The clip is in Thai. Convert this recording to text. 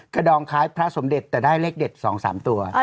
ดองคล้ายพระสมเด็จแต่ได้เลขเด็ด๒๓ตัว